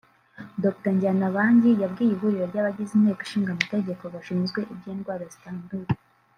Dr Ndyanabangi yabwiye Ihuriro ry’Abagize Inteko Ishinga Amategeko bashinzwe iby’indwara zitandura